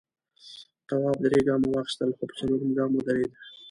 تواب درې گامه واخیستل خو په څلورم گام ودرېد.